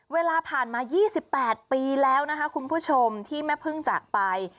เวลาผ่านมา๒๘ปีแล้วนะคะคุณผู้ชมที่แม่พึ่งจากไป